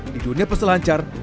di dunia peselancar